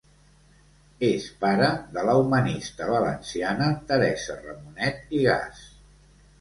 És pare de la humanista valenciana Teresa Ramonet i Gas.